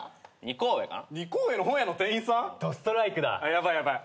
ヤバいヤバい。